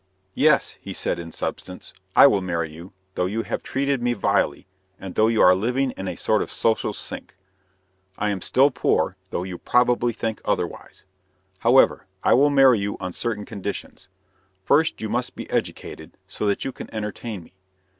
"Yes," he said in substance, "I will marry you, though you have treated me vilely, and though you are living in a sort of social sink. I am still poor, though you probably think otherwise. However, I will marry you on certain conditions. First, you must be educated, so that you can entertain me.